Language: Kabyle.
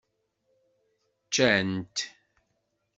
Ccant.